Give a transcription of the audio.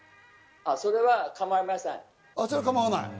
それは構いません。